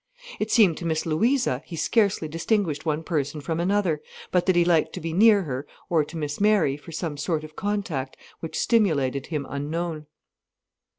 It seemed to Miss Louisa he scarcely distinguished one person from another, but that he liked to be near her, or to Miss Mary, for some sort of contact which stimulated him unknown.